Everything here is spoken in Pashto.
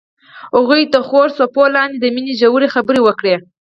هغوی د خوږ څپو لاندې د مینې ژورې خبرې وکړې.